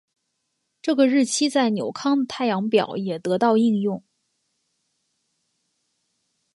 这个日期在纽康的太阳表也得到应用。